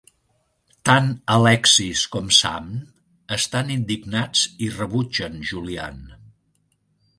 Tant Alexis com Sam estan indignats i rebutgen Julian.